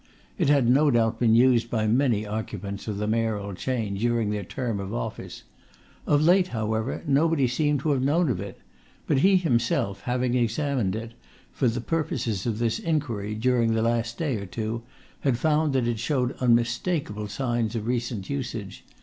It had no doubt been used by many occupants of the Mayoral chair during their term of office. Of late, however, nobody seemed to have known of it; but he himself having examined it, for the purposes of this inquiry, during the last day or two, had found that it showed unmistakable signs of recent usage.